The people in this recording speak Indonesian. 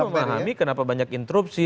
memahami kenapa banyak interupsi